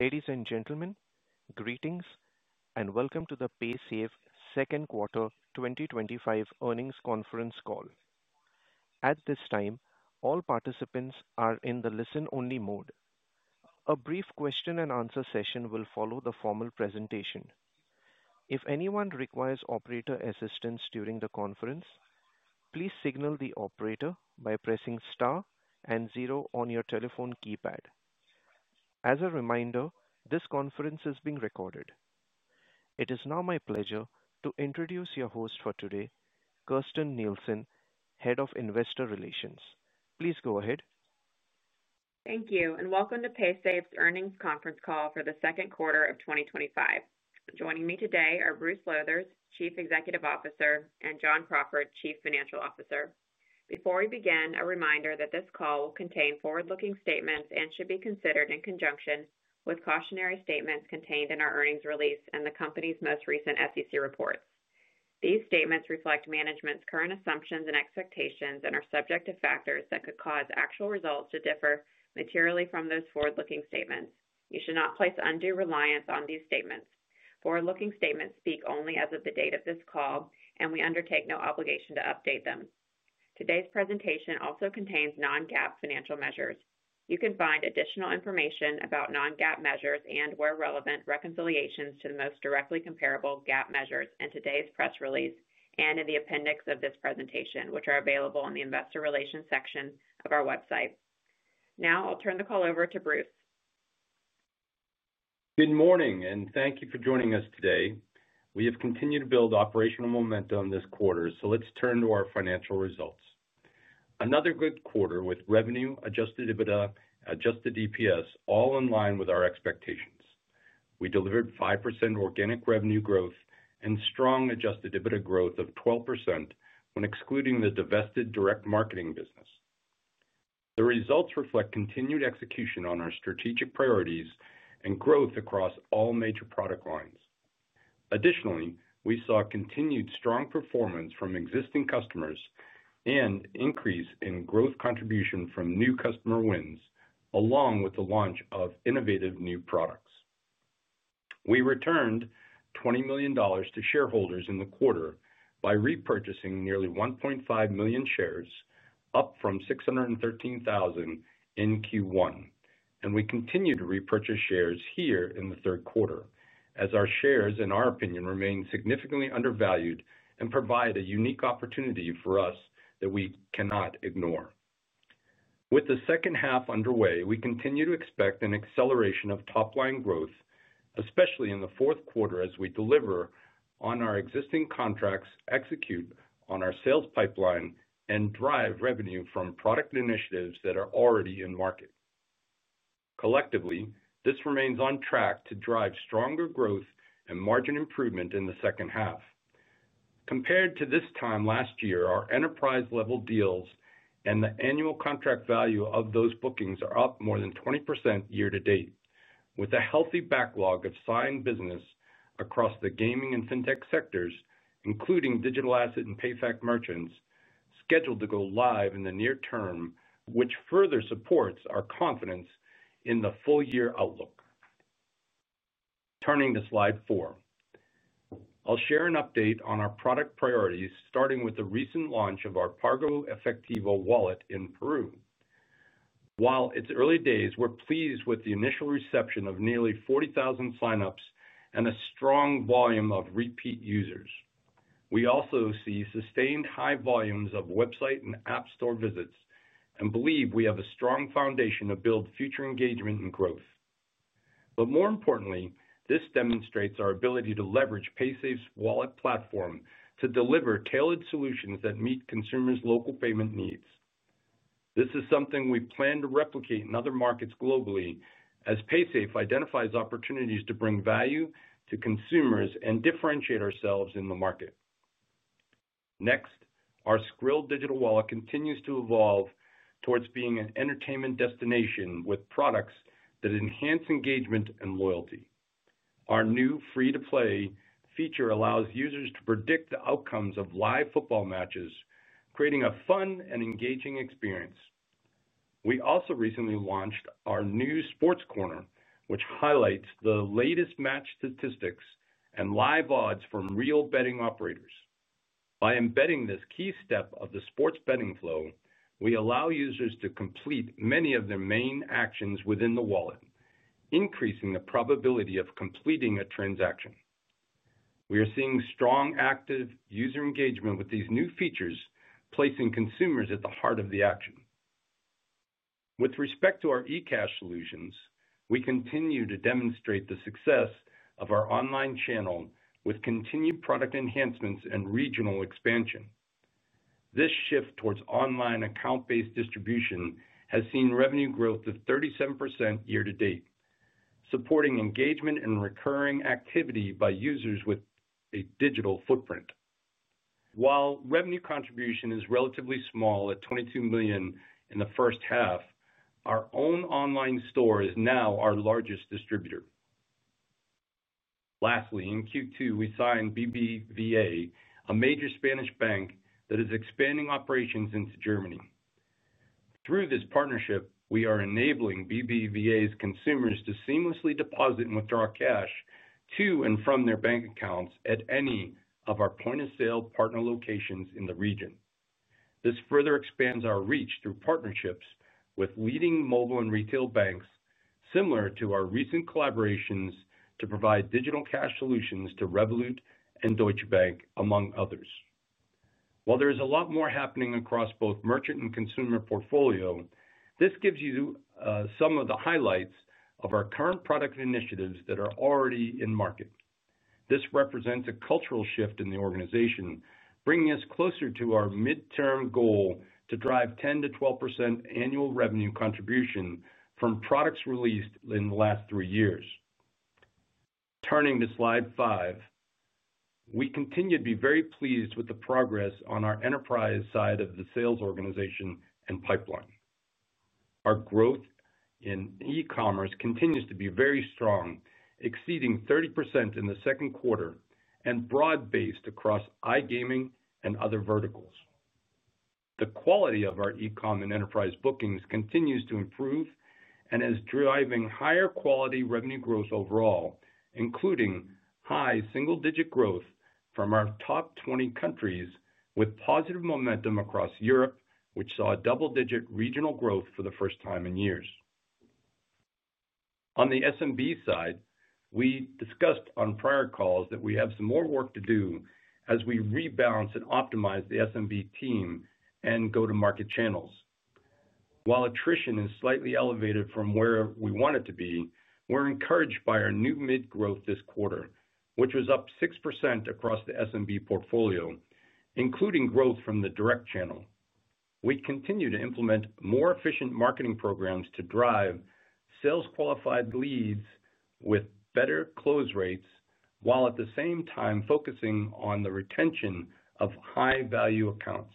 Ladies and gentlemen, greetings, and welcome to Paysafe's Second Quarter 2025 Earnings Conference Call. At this time, all participants are in the listen-only mode. A brief question-and-answer session will follow the formal presentation. If anyone requires operator assistance during the conference, please signal the operator by pressing star and zero on your telephone keypad. As a reminder, this conference is being recorded. It is now my pleasure to introduce your host for today, Kirsten Nielsen, Head of Investor Relations. Please go ahead. Thank you, and welcome to Paysafe's earnings conference call for the second quarter of 2025. Joining me today are Bruce Lowthers, Chief Executive Officer, and John Crawford, Chief Financial Officer. Before we begin, a reminder that this call will contain forward-looking statements and should be considered in conjunction with cautionary statements contained in our earnings release and the company's most recent SEC report. These statements reflect management's current assumptions and expectations and are subject to factors that could cause actual results to differ materially from those forward-looking statements. You should not place undue reliance on these statements. Forward-looking statements speak only as of the date of this call, and we undertake no obligation to update them. Today's presentation also contains non-GAAP financial measures. You can find additional information about non-GAAP measures and, where relevant, reconciliations to the most directly comparable GAAP measures in today's press release and in the appendix of this presentation, which are available in the Investor Relations section of our website. Now, I'll turn the call over to Bruce. Good morning, and thank you for joining us today. We have continued to build operational momentum this quarter, so let's turn to our financial results. Another good quarter with revenue, adjusted EBITDA, and adjusted DPS all in line with our expectations. We delivered 5% organic revenue growth and strong adjusted EBITDA growth of 12% when excluding the divested direct marketing business. The results reflect continued execution on our strategic priorities and growth across all major product lines. Additionally, we saw continued strong performance from existing customers and an increase in growth contribution from new customer wins, along with the launch of innovative new products. We returned $20 million to shareholders in the quarter by repurchasing nearly 1.5 million shares, up from $613,000 in Q1. We continue to repurchase shares here in the third quarter, as our shares, in our opinion, remain significantly undervalued and provide a unique opportunity for us that we cannot ignore. With the second half underway, we continue to expect an acceleration of top-line growth, especially in the fourth quarter as we deliver on our existing contracts, execute on our sales pipeline, and drive revenue from product initiatives that are already in market. Collectively, this remains on track to drive stronger growth and margin improvement in the second half. Compared to this time last year, our enterprise-level deals and the annual contract value of those bookings are up more than 20% year to date, with a healthy backlog of signed business across the gaming and fintech sectors, including digital asset and paycheck merchants scheduled to go live in the near term, which further supports our confidence in the full-year outlook. Turning to slide four, I'll share an update on our product priorities, starting with the recent launch of our PagoEfectivo wallet in Peru. While it's early days, we're pleased with the initial reception of nearly 40,000 signups and a strong volume of repeat users. We also see sustained high volumes of website and app store visits and believe we have a strong foundation to build future engagement and growth. More importantly, this demonstrates our ability to leverage Paysafe's wallet platform to deliver tailored solutions that meet consumers' local payment needs. This is something we plan to replicate in other markets globally, as Paysafe identifies opportunities to bring value to consumers and differentiate ourselves in the market. Next, our Skrill digital wallet continues to evolve towards being an entertainment destination with products that enhance engagement and loyalty. Our new free-to-play feature allows users to predict the outcomes of live football matches, creating a fun and engaging experience. We also recently launched our new sports corner, which highlights the latest match statistics and live odds from real betting operators. By embedding this key step of the sports betting flow, we allow users to complete many of their main actions within the wallet, increasing the probability of completing a transaction. We are seeing strong active user engagement with these new features, placing consumers at the heart of the action. With respect to our eCash solutions, we continue to demonstrate the success of our online channel with continued product enhancements and regional expansion. This shift towards online account-based distribution has seen revenue growth of 37% year to date, supporting engagement and recurring activity by users with a digital footprint. While revenue contribution is relatively small at $22 million in the first half, our own online store is now our largest distributor. Lastly, in Q2, we signed BBVA, a major Spanish bank that is expanding operations into Germany. Through this partnership, we are enabling BBVA's consumers to seamlessly deposit and withdraw cash to and from their bank accounts at any of our point-of-sale partner locations in the region. This further expands our reach through partnerships with leading mobile and retail banks, similar to our recent collaborations to provide digital cash solutions to Revolut and Deutsche Bank, among others. While there is a lot more happening across both merchant and consumer portfolio, this gives you some of the highlights of our current product initiatives that are already in market. This represents a cultural shift in the organization, bringing us closer to our midterm goal to drive 10%-12% annual revenue contribution from products released in the last three years. Turning to slide five, we continue to be very pleased with the progress on our enterprise side of the sales organization and pipeline. Our growth in e-commerce continues to be very strong, exceeding 30% in the second quarter and broad-based across iGaming and other verticals. The quality of our e-commerce and enterprise bookings continues to improve and is driving higher quality revenue growth overall, including high single-digit growth from our top 20 countries with positive momentum across Europe, which saw double-digit regional growth for the first time in years. On the SMB side, we discussed on prior calls that we have some more work to do as we rebalance and optimize the SMB team and go-to-market channels. While attrition is slightly elevated from where we want it to be, we're encouraged by our new mid-growth this quarter, which was up 6% across the SMB portfolio, including growth from the direct channel. We continue to implement more efficient marketing programs to drive sales-qualified leads with better close rates, while at the same time focusing on the retention of high-value accounts.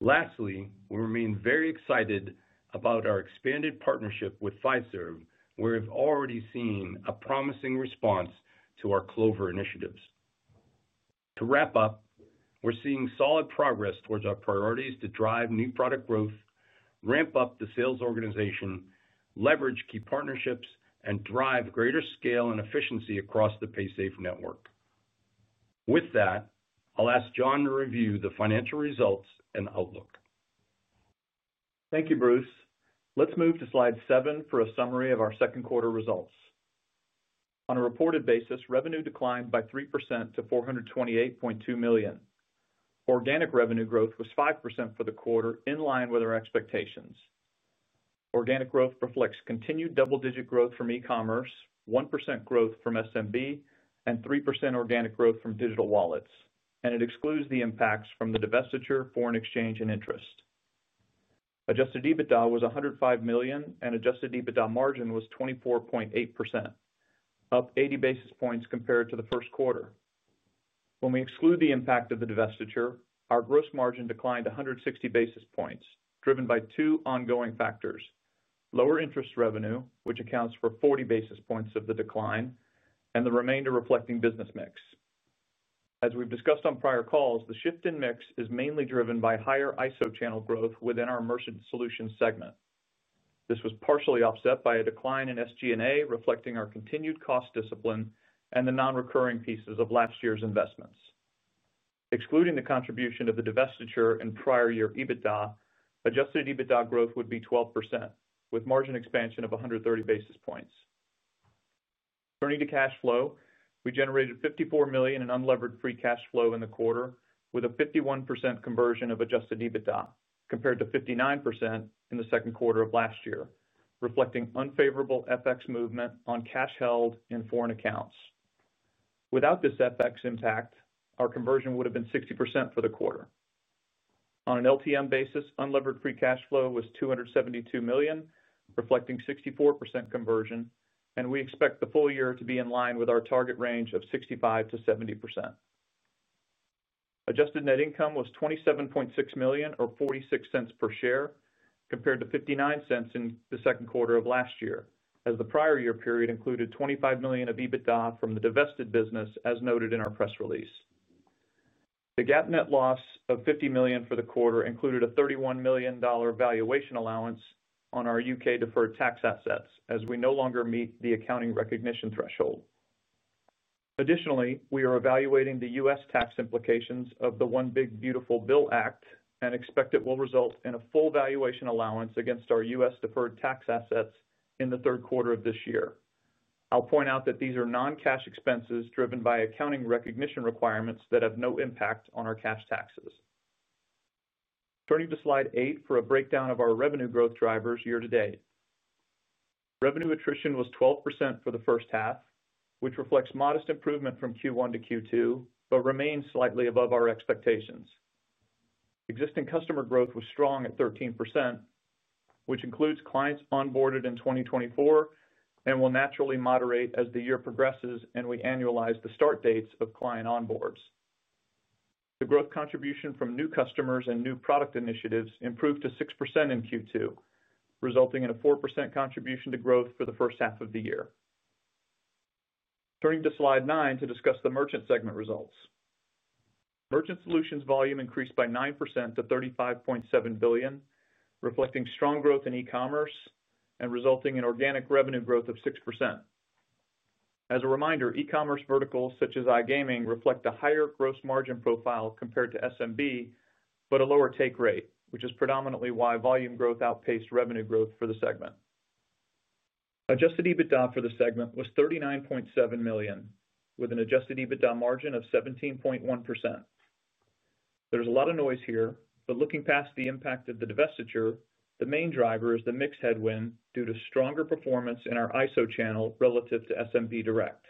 Lastly, we remain very excited about our expanded partnership with Fiserv, where we've already seen a promising response to our Clover initiatives. To wrap up, we're seeing solid progress towards our priorities to drive new product growth, ramp up the sales organization, leverage key partnerships, and drive greater scale and efficiency across the Paysafe network. With that, I'll ask John to review the financial results and outlook. Thank you, Bruce. Let's move to slide seven for a summary of our second quarter results. On a reported basis, revenue declined by 3% to $428.2 million. Organic revenue growth was 5% for the quarter, in line with our expectations. Organic growth reflects continued double-digit growth from e-commerce, 1% growth from SMB, and 3% organic growth from digital wallets, and it excludes the impacts from the divestiture, foreign exchange, and interest. Adjusted EBITDA was $105 million, and adjusted EBITDA margin was 24.8%, up 80 basis points compared to the first quarter. When we exclude the impact of the divestiture, our gross margin declined 160 basis points, driven by two ongoing factors: lower interest revenue, which accounts for 40 basis points of the decline, and the remainder reflecting business mix. As we've discussed on prior calls, the shift in mix is mainly driven by higher ISO channel growth within our Merchant Solutions segment. This was partially offset by a decline in SG&A, reflecting our continued cost discipline and the non-recurring pieces of last year's investments. Excluding the contribution of the divestiture and prior year EBITDA, adjusted EBITDA growth would be 12%, with margin expansion of 130 basis points. Turning to cash flow, we generated $54 million in unlevered free cash flow in the quarter, with a 51% conversion of adjusted EBITDA compared to 59% in the second quarter of last year, reflecting unfavorable FX movement on cash held in foreign accounts. Without this FX impact, our conversion would have been 60% for the quarter. On an LTM basis, unlevered free cash flow was $272 million, reflecting 64% conversion, and we expect the full year to be in line with our target range of 65%-70%. Adjusted net income was $27.6 million or $0.46 per share, compared to $0.59 in the second quarter of last year, as the prior year period included $25 million of EBITDA from the divested business, as noted in our press release. The GAAP net loss of $50 million for the quarter included a $31 million valuation allowance on our U.K. deferred tax assets, as we no longer meet the accounting recognition threshold. Additionally, we are evaluating the U.S. tax implications of the One Big Beautiful Bill Act and expect it will result in a full valuation allowance against our U.S. deferred tax assets in the third quarter of this year. I'll point out that these are non-cash expenses driven by accounting recognition requirements that have no impact on our cash taxes. Turning to slide eight for a breakdown of our revenue growth drivers year to date. Revenue attrition was 12% for the first half, which reflects modest improvement from Q1 to Q2, but remains slightly above our expectations. Existing customer growth was strong at 13%, which includes clients onboarded in 2024 and will naturally moderate as the year progresses and we annualize the start dates of client onboards. The growth contribution from new customers and new product initiatives improved to 6% in Q2, resulting in a 4% contribution to growth for the first half of the year. Turning to slide nine to discuss the merchant segment results. Merchant Solutions volume increased by 9% to $35.7 billion, reflecting strong growth in e-commerce and resulting in organic revenue growth of 6%. As a reminder, e-commerce verticals such as iGaming reflect a higher gross margin profile compared to SMB, but a lower take rate, which is predominantly why volume growth outpaced revenue growth for the segment. Adjusted EBITDA for the segment was $39.7 million, with an adjusted EBITDA margin of 17.1%. There's a lot of noise here, but looking past the impact of the divestiture, the main driver is the mixed headwind due to stronger performance in our ISO channel relative to SMB direct.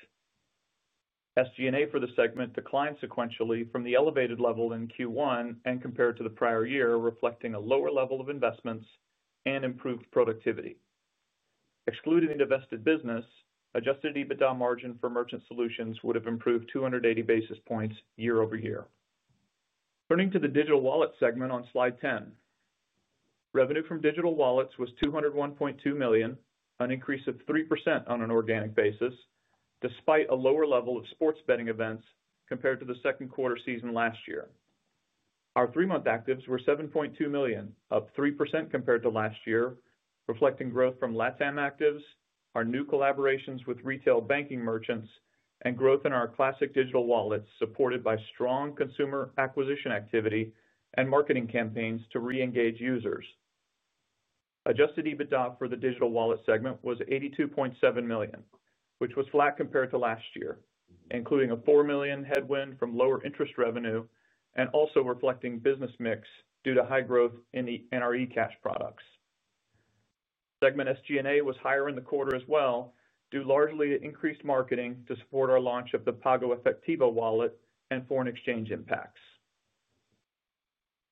SG&A for the segment declined sequentially from the elevated level in Q1 and compared to the prior year, reflecting a lower level of investments and improved productivity. Excluding the divested business, adjusted EBITDA margin for Merchant Solutions would have improved 280 basis points year-over-year. Turning to the digital wallet segment on slide ten, revenue from digital wallets was $201.2 million, an increase of 3% on an organic basis, despite a lower level of sports betting events compared to the second quarter season last year. Our three-month actives were 7.2 million, up 3% compared to last year, reflecting growth from LATAM actives, our new collaborations with retail banking merchants, and growth in our classic digital wallets, supported by strong consumer acquisition activity and marketing campaigns to re-engage users. Adjusted EBITDA for the digital wallet segment was $82.7 million, which was flat compared to last year, including a $4 million headwind from lower interest revenue and also reflecting business mix due to high growth in our eCash products. Segment SG&A was higher in the quarter as well, due largely to increased marketing to support our launch of the PagoEfectivo wallet and foreign exchange impacts.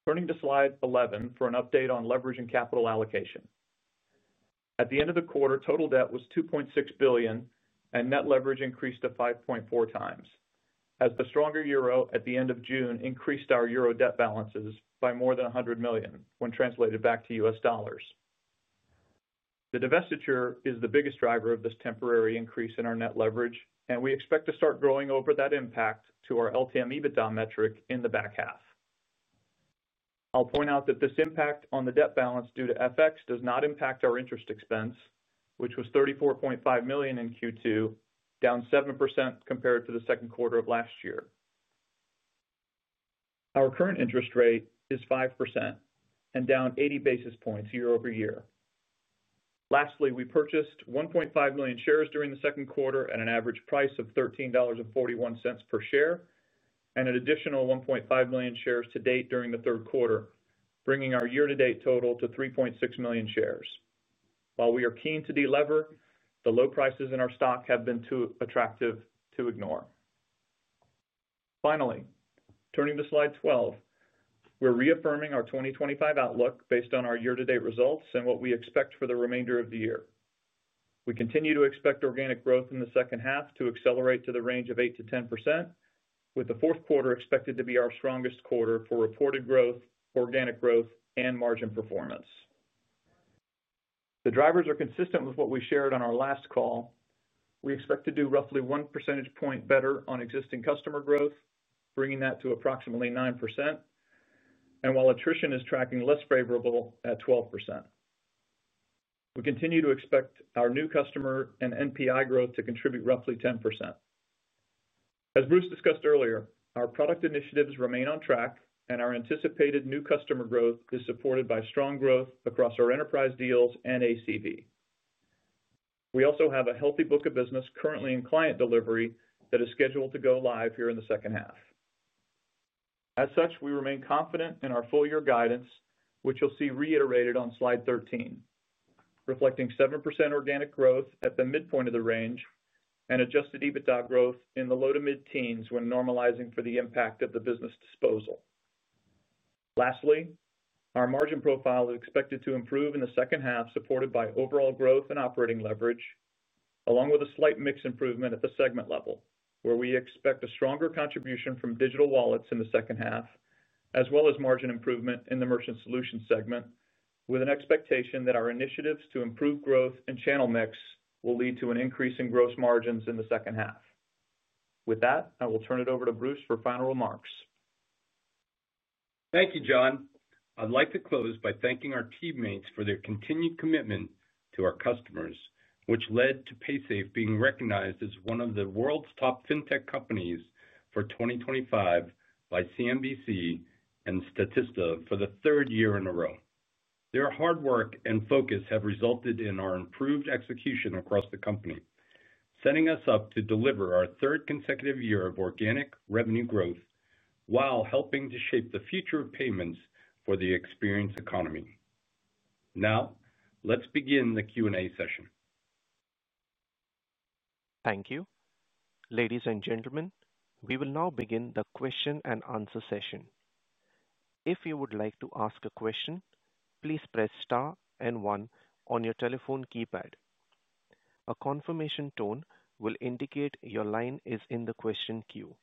Turning to slide 11 for an update on leverage and capital allocation. At the end of the quarter, total debt was $2.6 billion, and net leverage increased to 5.4x, as the stronger euro at the end of June increased our euro debt balances by more than $100 million when translated back to U.S. dollars. The divestiture is the biggest driver of this temporary increase in our net leverage, and we expect to start growing over that impact to our LTM EBITDA metric in the back half. I'll point out that this impact on the debt balance due to FX does not impact our interest expense, which was $34.5 million in Q2, down 7% compared to the second quarter of last year. Our current interest rate is 5% and down 80 basis points year-over-year. Lastly, we purchased 1.5 million shares during the second quarter at an average price of $13.41 per share and an additional 1.5 million shares to date during the third quarter, bringing our year-to-date total to 3.6 million shares. While we are keen to de-lever, the low prices in our stock have been too attractive to ignore. Finally, turning to slide 12, we're reaffirming our 2025 outlook based on our year-to-date results and what we expect for the remainder of the year. We continue to expect organic growth in the second half to accelerate to the range of 8%-10%, with the fourth quarter expected to be our strongest quarter for reported growth, organic growth, and margin performance. The drivers are consistent with what we shared on our last call. We expect to do roughly one percentage point better on existing customer growth, bringing that to approximately 9%, and while attrition is tracking less favorable at 12%. We continue to expect our new customer and NPI growth to contribute roughly 10%. As Bruce discussed earlier, our product initiatives remain on track, and our anticipated new customer growth is supported by strong growth across our enterprise deals and ACV. We also have a healthy book of business currently in client delivery that is scheduled to go live here in the second half. As such, we remain confident in our full-year guidance, which you'll see reiterated on slide 13, reflecting 7% organic growth at the midpoint of the range and adjusted EBITDA growth in the low to mid-teens when normalizing for the impact of the business disposal. Lastly, our margin profile is expected to improve in the second half, supported by overall growth and operating leverage, along with a slight mix improvement at the segment level, where we expect a stronger contribution from digital wallets in the second half, as well as margin improvement in the Merchant Solutions segment, with an expectation that our initiatives to improve growth and channel mix will lead to an increase in gross margins in the second half. With that, I will turn it over to Bruce for final remarks. Thank you, John. I'd like to close by thanking our teammates for their continued commitment to our customers, which led to Paysafe being recognized as one of the world's top fintech companies for 2025 by CNBC and Statista for the third year in a row. Their hard work and focus have resulted in our improved execution across the company, setting us up to deliver our third consecutive year of organic revenue growth while helping to shape the future of payments for the experienced economy. Now, let's begin the Q&A session. Thank you. Ladies and gentlemen, we will now begin the question-and-answer session. If you would like to ask a question, please press star and one on your telephone keypad. A confirmation tone will indicate your line is in the question queue.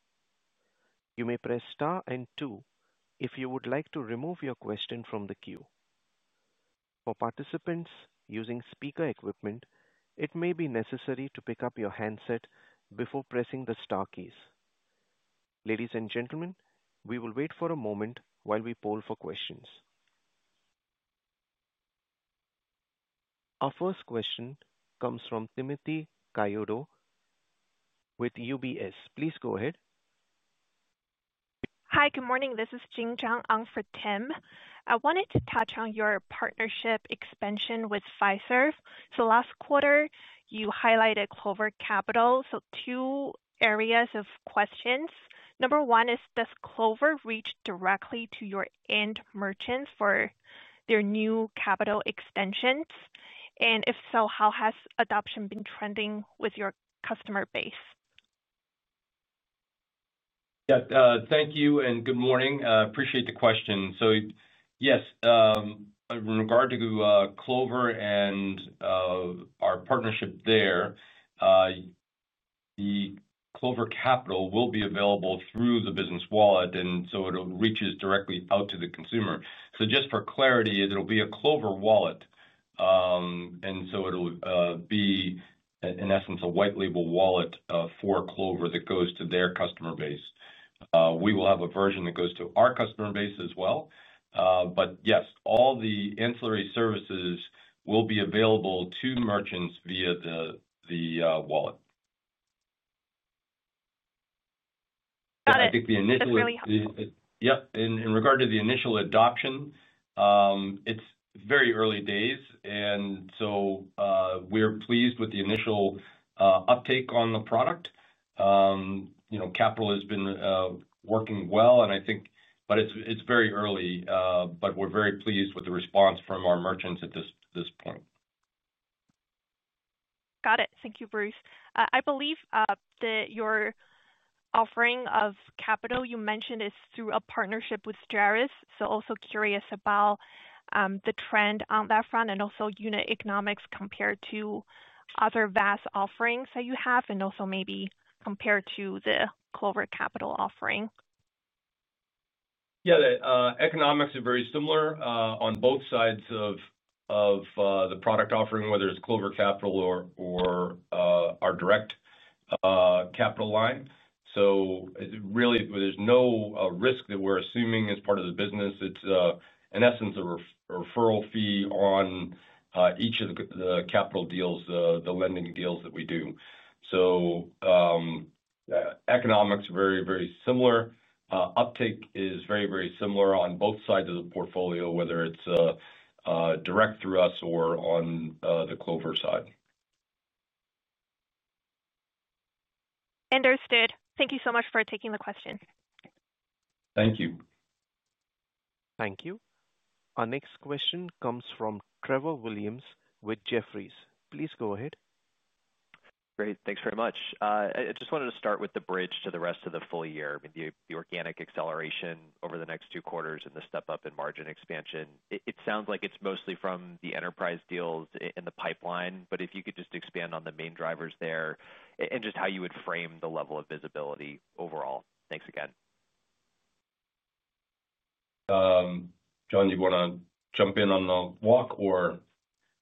You may press star and two if you would like to remove your question from the queue. For participants using speaker equipment, it may be necessary to pick up your handset before pressing the star keys. Ladies and gentlemen, we will wait for a moment while we poll for questions. Our first question comes from Timothy Chiodo with UBS. Please go ahead. Hi, good morning. This is Jing Zhang for Tim. I wanted to touch on your partnership expansion with Fiserv. Last quarter, you highlighted Clover Capital, so two areas of questions. Number one is, does Clover reach directly to your end merchants for their new capital extensions? If so, how has adoption been trending with your customer base? Thank you and good morning. I appreciate the question. Yes, in regard to Clover and our partnership there, the Clover Capital will be available through the business wallet, and it'll reach directly out to the consumer. Just for clarity, it'll be a Clover wallet. It'll be, in essence, a white label wallet for Clover that goes to their customer base. We will have a version that goes to our customer base as well. Yes, all the ancillary services will be available to merchants via the wallet. Got it. And margin improvement for Paysafe in 2024. That's really helpful. In regard to the initial adoption, it's very early days, and we are pleased with the initial uptake on the product. Capital has been working well, and I think it's very early, but we're very pleased with the response from our merchants at this point. Got it. Thank you, Bruce. I believe that your offering of capital you mentioned is through a partnership with Jaris. I am also curious about the trend on that front and also unit economics compared to other vast offerings that you have and also maybe compared to the Clover Capital offering. Yeah, the economics are very similar on both sides of the product offering, whether it's Clover Capital or our direct capital line. There's no risk that we're assuming as part of the business. It's in essence a referral fee on each of the capital deals, the lending deals that we do. Economics are very, very similar. Uptake is very, very similar on both sides of the portfolio, whether it's direct through us or on the Clover side. Understood. Thank you so much for taking the question. Thank you. Thank you. Our next question comes from Trevor Williams with Jefferies. Please go ahead. Great, thanks very much. I just wanted to start with the bridge to the rest of the full year. I mean, the organic acceleration over the next two quarters and the step up in margin expansion, it sounds like it's mostly from the enterprise deals in the pipeline. If you could just expand on the main drivers there and just how you would frame the level of visibility overall. Thanks again. John, do you want to jump in on the walk or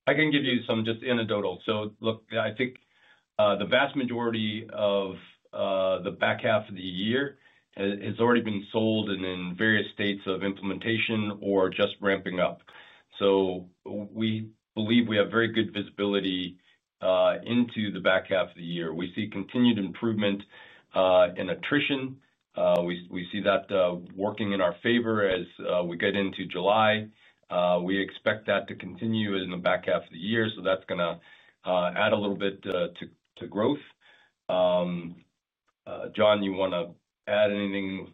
I can give you some just anecdotal. I think the vast majority of the back half of the year has already been sold and in various states of implementation or just ramping up. We believe we have very good visibility into the back half of the year. We see continued improvement in attrition. We see that working in our favor as we get into July. We expect that to continue in the back half of the year. That's going to add a little bit to growth. John, you want to add anything?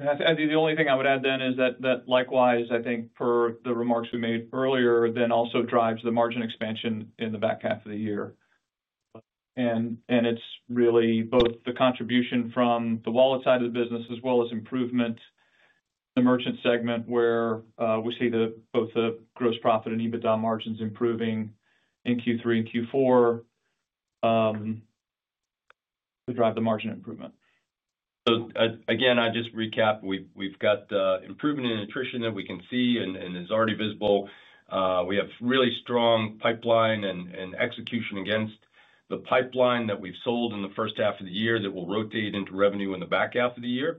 I think the only thing I would add is that likewise, I think per the remarks we made earlier, that also drives the margin expansion in the back half of the year. It's really both the contribution from the wallet side of the business as well as improvement in the merchant segment where we see both the gross profit and EBITDA margins improving in Q3 and Q4 to drive the margin improvement. To recap, we've got improvement in attrition that we can see and is already visible. We have a really strong pipeline and execution against the pipeline that we've sold in the first half of the year that will rotate into revenue in the back half of the year.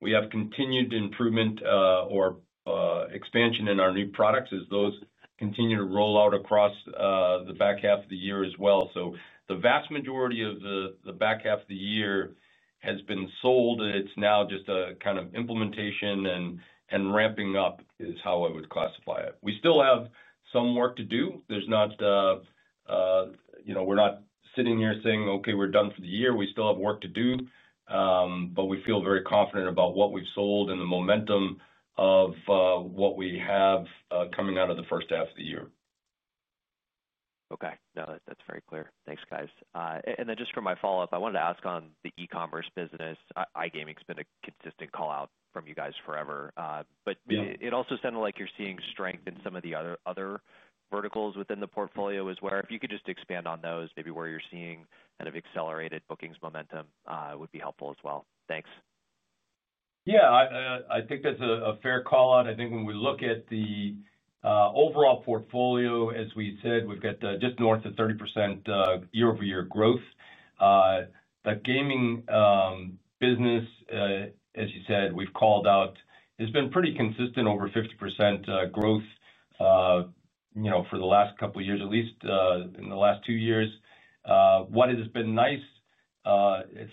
We have continued improvement or expansion in our new products as those continue to roll out across the back half of the year as well. The vast majority of the back half of the year has been sold. It's now just a kind of implementation and ramping up is how I would classify it. We still have some work to do. We're not sitting here saying, okay, we're done for the year. We still have work to do. We feel very confident about what we've sold and the momentum of what we have coming out of the first half of the year. Okay, no, that's very clear. Thanks, guys. For my follow-up, I wanted to ask on the e-commerce business. iGaming's been a consistent callout from you guys forever. It also sounded like you're seeing strength in some of the other verticals within the portfolio as well. If you could just expand on those, maybe where you're seeing kind of accelerated bookings momentum, it would be helpful as well. Thanks. Yeah, I think that's a fair callout. I think when we look at the overall portfolio, as we said, we've got just north of 30% year-over-year growth. The gaming business, as you said, we've called out, has been pretty consistent, over 50% growth for the last couple of years, at least in the last two years. What has been nice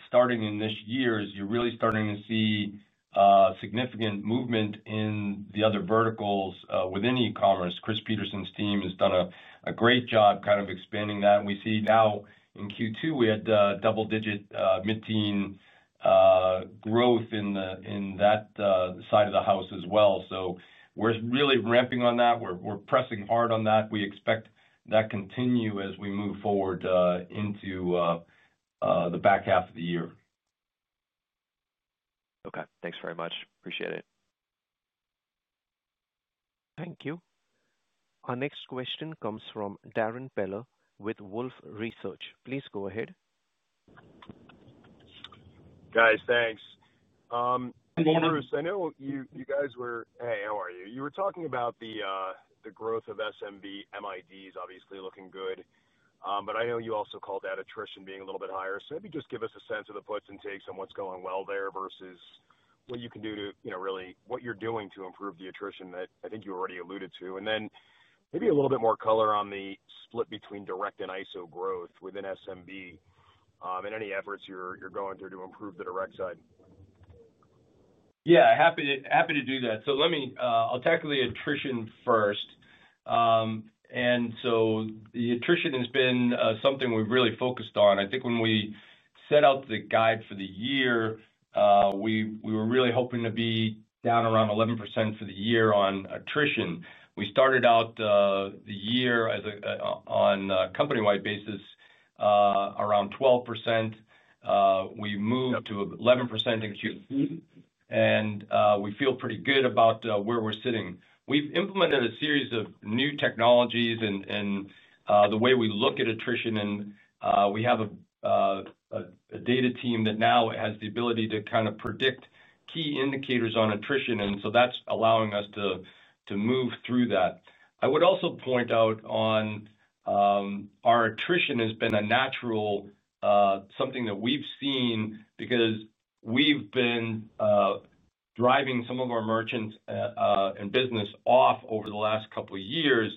starting in this year is you're really starting to see significant movement in the other verticals within e-commerce. Chris Petersen's team has done a great job kind of expanding that. We see now in Q2 we had double-digit mid-teen growth in that side of the house as well. We're really ramping on that. We're pressing hard on that. We expect that to continue as we move forward into the back half of the year. Okay, thanks very much. Appreciate it. Thank you. Our next question comes from Darrin Peller with Wolfe Research. Please go ahead. Thanks. I know you guys were—hey, how are you? You were talking about the growth of SMB MIDs, obviously looking good. I know you also called out attrition being a little bit higher. Maybe just give us a sense of the puts and takes on what's going well there versus what you can do to, you know, really what you're doing to improve the attrition that I think you already alluded to. Maybe a little bit more color on the split between direct and ISO growth within SMB and any efforts you're going through to improve the direct side. Yeah, happy to do that. Let me, I'll tackle the attrition first. The attrition has been something we've really focused on. I think when we set out the guide for the year, we were really hoping to be down around 11% for the year on attrition. We started out the year on a company-wide basis around 12%. We moved to 11% in Q2, and we feel pretty good about where we're sitting. We've implemented a series of new technologies in the way we look at attrition. We have a data team that now has the ability to kind of predict key indicators on attrition, and that's allowing us to move through that. I would also point out our attrition has been a natural, something that we've seen because we've been driving some of our merchants and business off over the last couple of years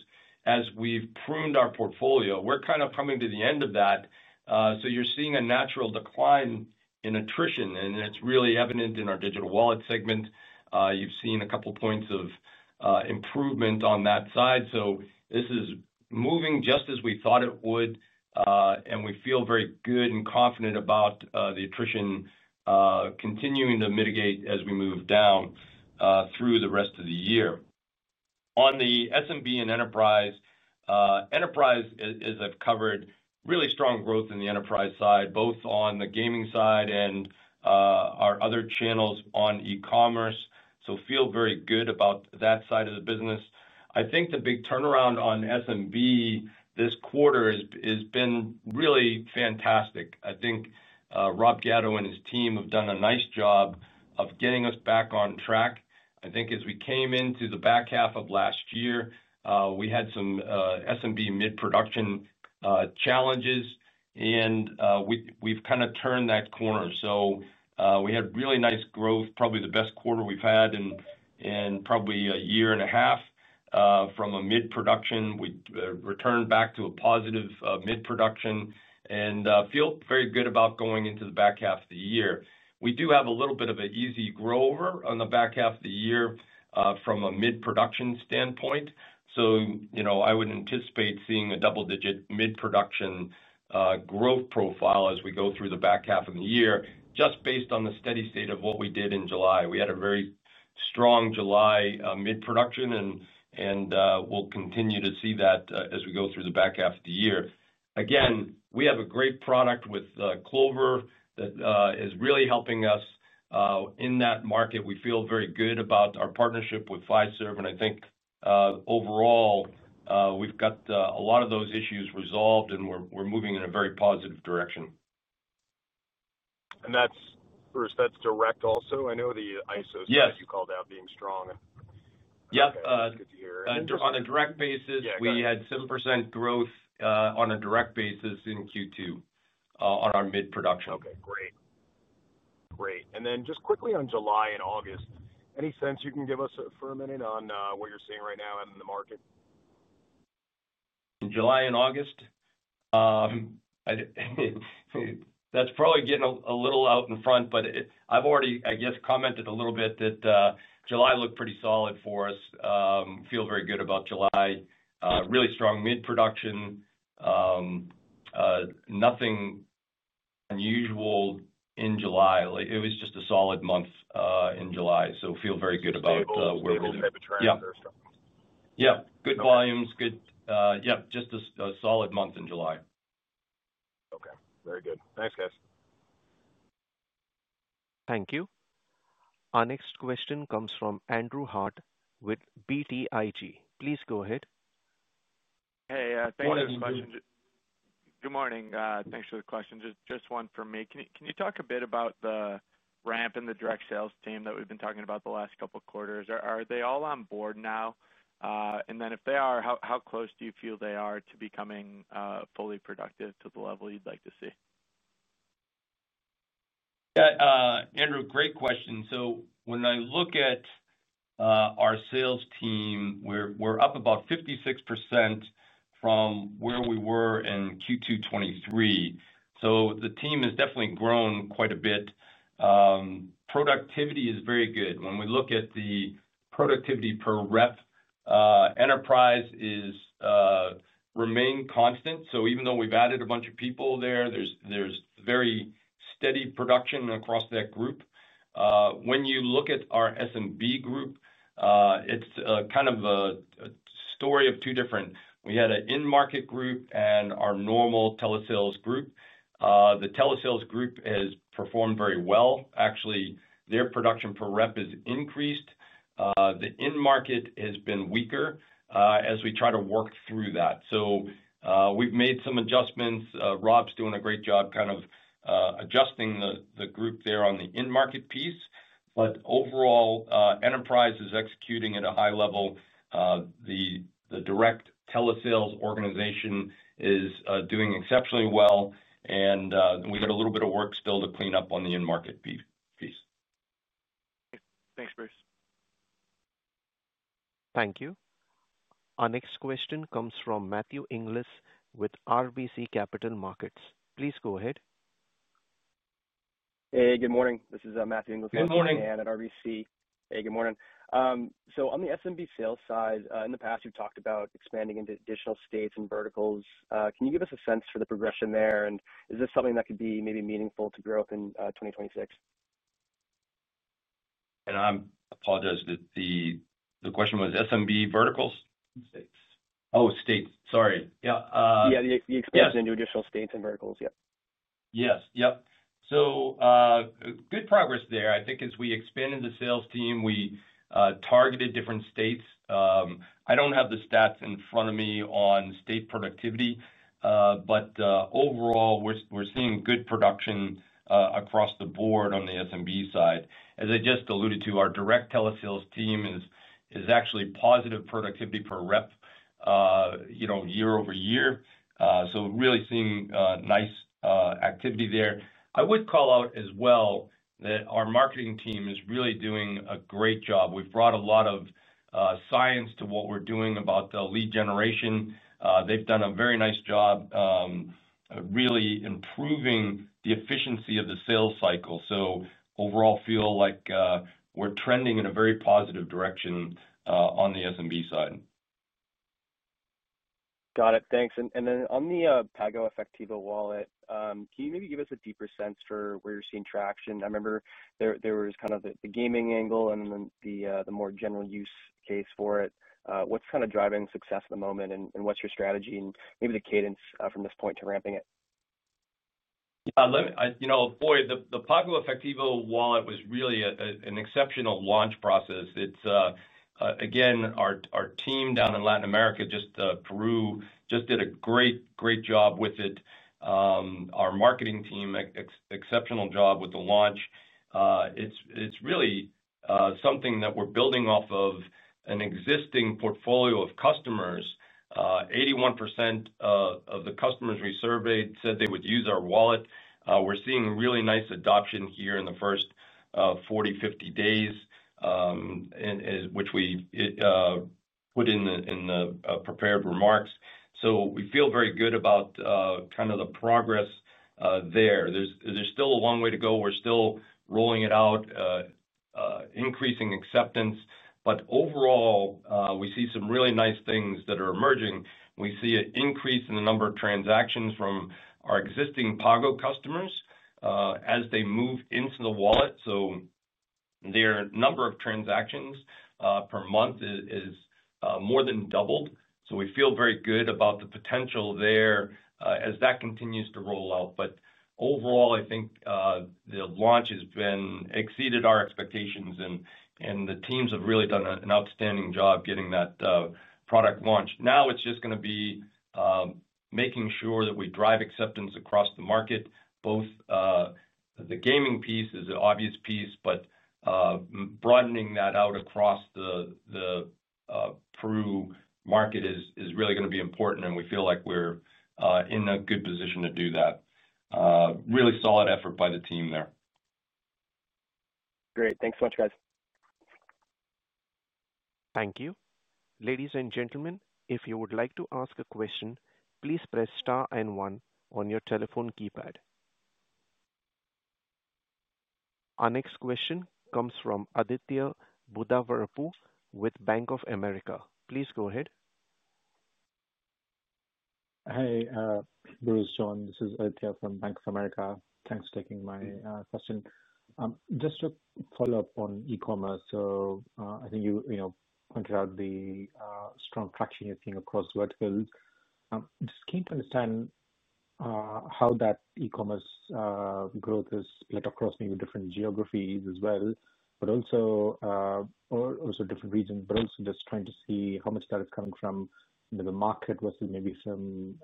as we've pruned our portfolio. We're kind of coming to the end of that. You're seeing a natural decline in attrition, and it's really evident in our digital wallet segment. You've seen a couple of points of improvement on that side. This is moving just as we thought it would, and we feel very good and confident about the attrition continuing to mitigate as we move down through the rest of the year. On the SMB and enterprise, enterprise, as I've covered, really strong growth in the enterprise side, both on the gaming side and our other channels on e-commerce. Feel very good about that side of the business. I think the big turnaround on SMB this quarter has been really fantastic. I think Rob Gatto and his team have done a nice job of getting us back on track. I think as we came into the back half of last year, we had some SMB mid-production challenges, and we've kind of turned that corner. We had really nice growth, probably the best quarter we've had in probably a year and a half from a mid-production. We returned back to a positive mid-production and feel very good about going into the back half of the year. We do have a little bit of an easy grow over on the back half of the year from a mid-production standpoint. I would anticipate seeing a double-digit mid-production growth profile as we go through the back half of the year, just based on the steady state of what we did in July. We had a very strong July mid-production, and we'll continue to see that as we go through the back half of the year. We have a great product with Clover that is really helping us in that market. We feel very good about our partnership with Fiserv, and I think overall we've got a lot of those issues resolved, and we're moving in a very positive direction. That's direct also, Bruce. I know the ISO stuff you called out being strong. Yeah. That's good to hear. On a direct basis, we had 7% growth on a direct basis in Q2 on our mid-production. Okay, great. And then just quickly on July and August, any sense you can give us for a minute on what you're seeing right now in the market? In July and August, that's probably getting a little out in front, but I've already commented a little bit that July looked pretty solid for us. Feel very good about July. Really strong mid-production. Nothing unusual in July. It was just a solid month in July. Feel very good about where we're moving. Yeah. Good volumes. Good. Just a solid month in July. Okay, very good. Thanks, guys. Thank you. Our next question comes from Andrew Harte with BTIG. Please go ahead. Hey, thanks for the question. Good morning. Thanks for the question. Just one for me. Can you talk a bit about the ramp in the direct sales team that we've been talking about the last couple of quarters? Are they all on board now? If they are, how close do you feel they are to becoming fully productive to the level you'd like to see? Yeah, Andrew, great question. When I look at our sales team, we're up about 56% from where we were in Q2 2023. The team has definitely grown quite a bit. Productivity is very good. When we look at the productivity per rep, enterprise remains constant. Even though we've added a bunch of people there, there's very steady production across that group. When you look at our SMB group, it's kind of a story of two different groups. We had an in-market group and our normal telesales group. The telesales group has performed very well. Actually, their production per rep has increased. The in-market has been weaker as we try to work through that. We've made some adjustments. Rob's doing a great job kind of adjusting the group there on the in-market piece. Overall, enterprise is executing at a high level. The direct telesales organization is doing exceptionally well, and we've got a little bit of work still to clean up on the in-market piece. Thanks, Bruce. Thank you. Our next question comes from Matthew Inglis with RBC Capital Markets. Please go ahead. Hey, good morning. This is Matthew Inglis with RBC Capital Markets. Good morning. At RBC, good morning. On the SMB sales side, in the past, you've talked about expanding into additional states and verticals. Can you give us a sense for the progression there, and is this something that could be maybe meaningful to growth in 2026? I apologize, the question was SMB verticals? States. Oh, states. Sorry. Yeah. Yeah, the expansion into additional states and verticals. Yes, yep. Good progress there. I think as we expanded the sales team, we targeted different states. I don't have the stats in front of me on state productivity, but overall, we're seeing good production across the board on the SMB side. As I just alluded to, our direct telesales team is actually positive productivity per rep year over year. Really seeing nice activity there. I would call out as well that our marketing team is really doing a great job. We've brought a lot of science to what we're doing about the lead generation. They've done a very nice job really improving the efficiency of the sales cycle. Overall, I feel like we're trending in a very positive direction on the SMB side. Got it. Thanks. On the PagoEfectivo wallet, can you maybe give us a deeper sense for where you're seeing traction? I remember there was kind of the gaming angle and then the more general use case for it. What's kind of driving success at the moment, what's your strategy, and maybe the cadence from this point to ramping it? You know, the PagoEfectivo wallet was really an exceptional launch process. It's, again, our team down in LATAM, just Peru, just did a great, great job with it. Our marketing team, exceptional job with the launch. It's really something that we're building off of an existing portfolio of customers. 81% of the customers we surveyed said they would use our wallet. We're seeing really nice adoption here in the first 40, 50 days, which we put in the prepared remarks. We feel very good about kind of the progress there. There's still a long way to go. We're still rolling it out, increasing acceptance. Overall, we see some really nice things that are emerging. We see an increase in the number of transactions from our existing Pago customers as they move into the wallet. Their number of transactions per month has more than doubled. We feel very good about the potential there as that continues to roll out. Overall, I think the launch has exceeded our expectations, and the teams have really done an outstanding job getting that product launched. Now it's just going to be making sure that we drive acceptance across the market. Both the gaming piece is an obvious piece, but broadening that out across the Peru market is really going to be important, and we feel like we're in a good position to do that. Really solid effort by the team there. Great. Thanks so much, guys. Thank you. Ladies and gentlemen, if you would like to ask a question, please press star and one on your telephone keypad. Our next question comes from Aditya Buddhavarapu with Bank of America. Please go ahead. Hey, Bruce, John, this is Aditya from Bank of America. Thanks for taking my question. Just to follow up on e-commerce, I think you pointed out the strong traction you're seeing across verticals. I'm just keen to understand how that e-commerce growth is led across maybe different geographies as well, also different regions, and just trying to see how much that is coming from the market versus maybe some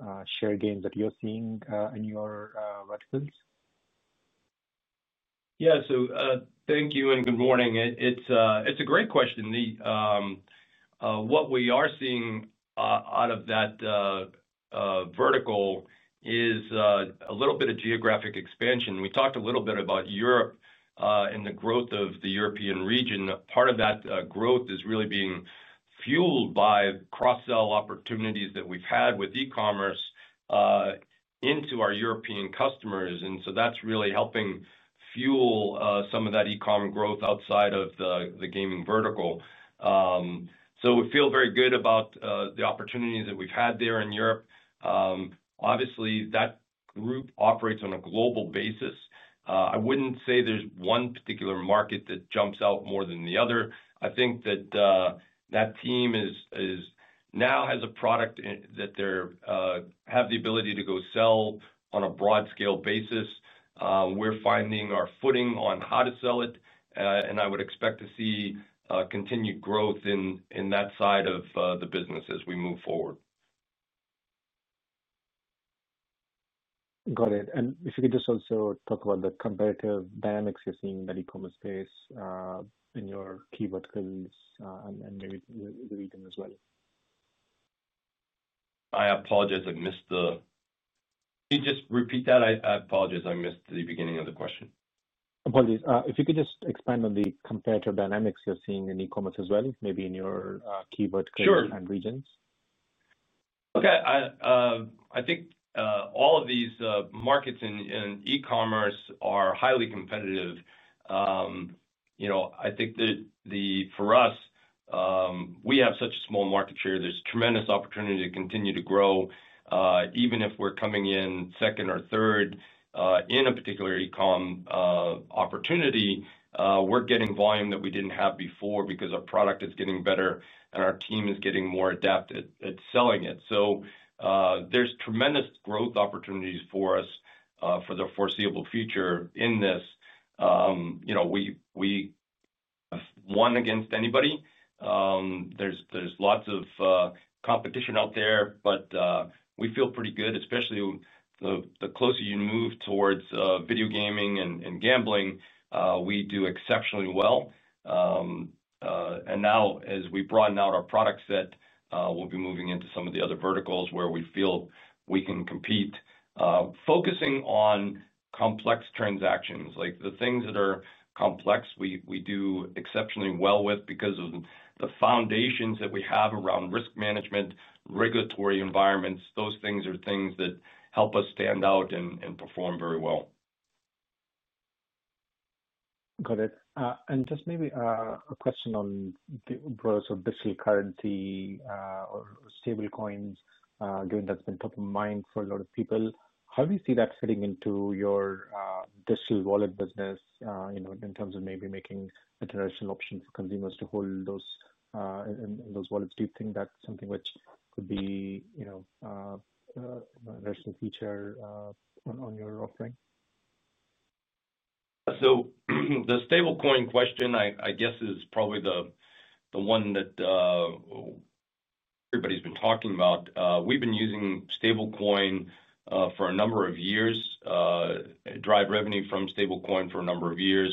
share gains that you're seeing in your verticals. Thank you and good morning. It's a great question. What we are seeing out of that vertical is a little bit of geographic expansion. We talked a little bit about Europe and the growth of the European region. Part of that growth is really being fueled by cross-sell opportunities that we've had with e-commerce into our European customers. That's really helping fuel some of that e-com growth outside of the gaming vertical. We feel very good about the opportunities that we've had there in Europe. Obviously, that group operates on a global basis. I wouldn't say there's one particular market that jumps out more than the other. I think that team now has a product that they have the ability to go sell on a broad scale basis. We're finding our footing on how to sell it, and I would expect to see continued growth in that side of the business as we move forward. Got it. If you could just also talk about the competitive dynamics you're seeing in the e-commerce space in your key verticals and maybe the region as well. I apologize, I missed the beginning of the question. Can you just repeat that? I apologize, I missed the beginning of the question. Apologies. If you could just expand on the competitive dynamics you're seeing in e-commerce as well, maybe in your key verticals and regions. Sure. Okay, I think all of these markets in e-commerce are highly competitive. I think that for us, we have such a small market share. There's tremendous opportunity to continue to grow, even if we're coming in second or third in a particular e-com opportunity. We're getting volume that we didn't have before because our product is getting better and our team is getting more adapted at selling it. There's tremendous growth opportunities for us for the foreseeable future in this. We won against anybody. There's lots of competition out there, but we feel pretty good, especially the closer you move towards video gaming and gambling. We do exceptionally well. Now, as we broaden out our product set, we'll be moving into some of the other verticals where we feel we can compete, focusing on complex transactions, like the things that are complex. We do exceptionally well with because of the foundations that we have around risk management, regulatory environments. Those things are things that help us stand out and perform very well. Got it. Maybe a question on the world's official currency or stablecoins, given that's been top of mind for a lot of people. How do you see that fitting into your digital wallet business, in terms of maybe making a generational option for consumers to hold those wallets? Do you think that's something which could be a national feature on your offering? The stablecoin question is probably the one that everybody's been talking about. We've been using stablecoin for a number of years, drive revenue from stablecoin for a number of years,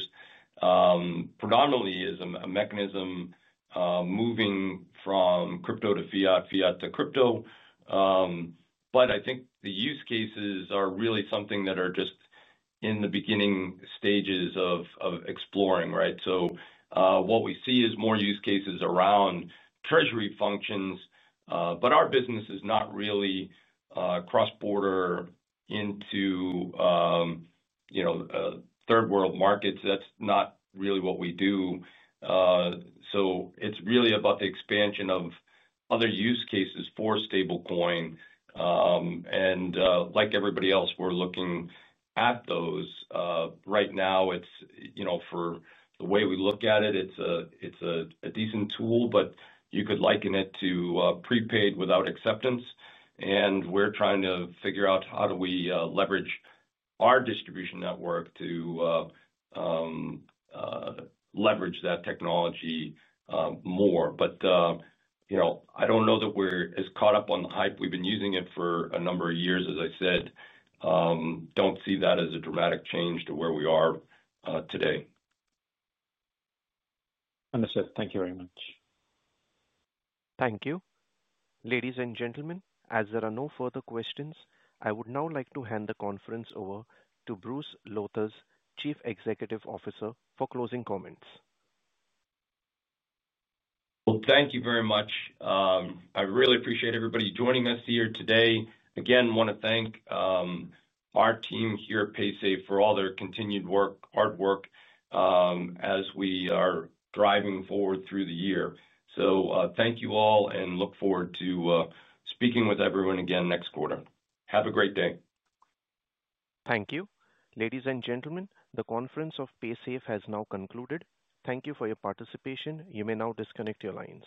predominantly as a mechanism moving from crypto to fiat, fiat to crypto. I think the use cases are really something that are just in the beginning stages of exploring, right? What we see is more use cases around treasury functions, but our business is not really cross-border into, you know, third-world markets. That's not really what we do. It's really about the expansion of other use cases for stablecoin. Like everybody else, we're looking at those. Right now, for the way we look at it, it's a decent tool, but you could liken it to prepaid without acceptance. We're trying to figure out how do we leverage our distribution network to leverage that technology more. I don't know that we're as caught up on the hype. We've been using it for a number of years, as I said. Don't see that as a dramatic change to where we are today. Understood. Thank you very much. Thank you. Ladies and gentlemen, as there are no further questions, I would now like to hand the conference over to Bruce Lowthers, Chief Executive Officer, for closing comments. Thank you very much. I really appreciate everybody joining us here today. Again, I want to thank our team here at Paysafe for all their continued hard work as we are driving forward through the year. Thank you all and look forward to speaking with everyone again next quarter. Have a great day. Thank you. Ladies and gentlemen, the conference of Paysafe has now concluded. Thank you for your participation. You may now disconnect your lines.